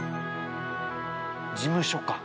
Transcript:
事務所か。